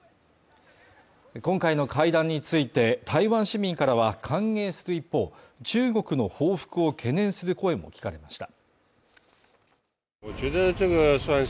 今回の会談について、台湾市民からは歓迎する一方、中国の報復を懸念する声も聞かれました。